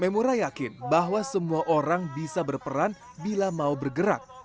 memura yakin bahwa semua orang bisa berperan bila mau bergerak